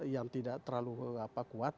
yang tidak terlalu kuat